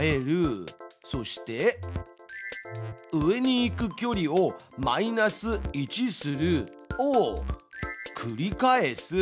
そして「上に行く距離をマイナス１する」を「繰り返す」。